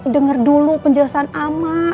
dengar dulu penjelasan ama